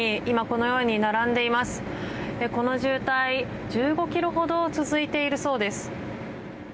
この渋滞１５ｋｍほど続いているそうです。